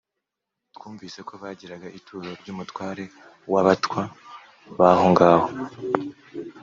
twunvise ko bagiraga ituro ry’umutware w’abatwa bahongaho.